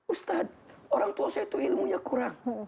ustadz orang tua saya itu ilmunya kurang